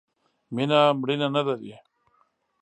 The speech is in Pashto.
مینه ، مړینه نه لري.